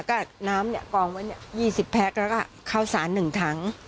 ก็น้ำเนี่ยกองไว้เนี่ย๒๐แพ็คแล้วก็เข้าสาร๑ถัง